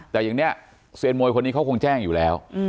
แต่อย่างนี้เซียนมวยคนนี้เขาคงแจ้งอยู่แล้ว